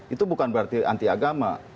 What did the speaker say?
itu bukan berarti anti agama